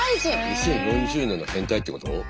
２０４０年の変態ってこと？